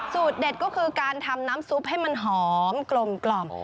เด็ดก็คือการทำน้ำซุปให้มันหอมกลม